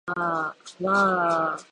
わあああああああ